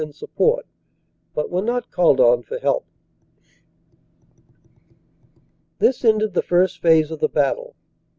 in support, but were not called on for help. "This ended the First Phase of the battle.